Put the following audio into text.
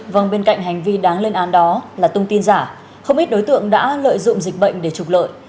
vâng bên cạnh hành vi đáng lên án đó là tung tin giả không ít đối tượng đã lợi dụng dịch bệnh để trục lợi